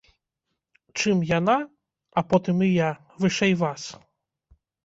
Чым яна, а потым і я, вышэй вас?